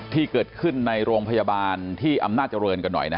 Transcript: ที่เกิดขึ้นในโรงพยาบาลที่อำนาจเจริญกันหน่อย